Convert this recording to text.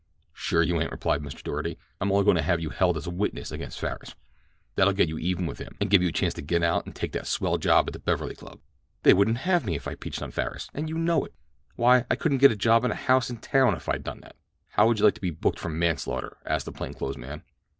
"Sure you ain't," replied Mr. Doarty. "I'm only goin' to have you held as a witness against Farris. That'll get you even with him, and give you a chance to get out and take that swell job at the Beverly Club." "They wouldn't have me if I peached on Farris, and you know it. Why, I couldn't get a job in a house in town if I done that." "How would you like to be booked for manslaughter?" asked the plain clothes man.